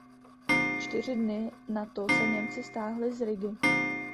Čtyři dny na to se Němci stáhli z Rigy.